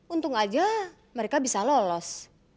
untung aja mereka bisa lolos